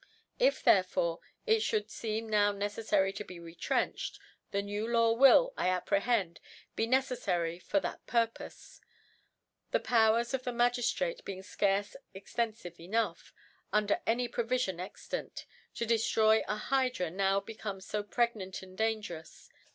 If therefore it Ihould fecm now neceffary to be retrenched, a new Law will, I ap prehend, be ntccOary for that Purpole i the Powers of the Magiftrate being fcarCe ex tcnfive enough, under any Provifion extant^ to deftroy a Hydra now become fo preg* nant and dangerous.